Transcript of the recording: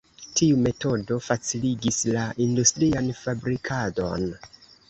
Tiu metodo faciligis la industrian fabrikadon.